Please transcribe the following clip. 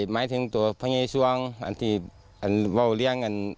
หมายถึงตัวพระยายสวงว่าวาวเลี้ยงเนี่ย